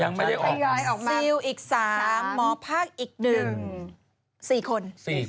ยังไม่ได้ออกมาซิลอีก๓หมอภาคอีก๑